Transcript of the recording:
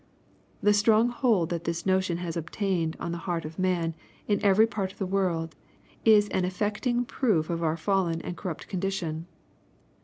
The strong hold that this notion has obtained on the heart of man, in every part of the world, is an affecting proof of our fallen and corrupt condition.